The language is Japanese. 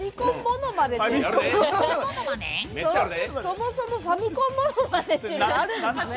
そもそもファミコンものまねがあるんですね。